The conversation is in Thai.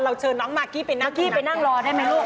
เราเชิญหน้ามากี้ไปนั่งรอได้ไหมลูก